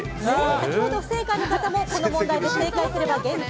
先ほど不正解の方もこの問題を正解すれば限定